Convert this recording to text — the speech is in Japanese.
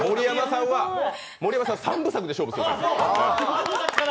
盛山さんは３部作で勝負するから。